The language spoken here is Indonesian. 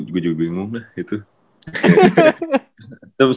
gue juga bingung lah itu